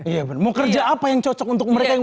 iya benar mau kerja apa yang cocok untuk mereka yang